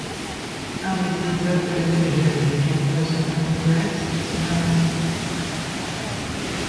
Un des épisodes de la série américaine Person of Interest se nomme ainsi.